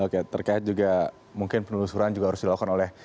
oke terkait juga mungkin penelusuran juga harus dilakukan oleh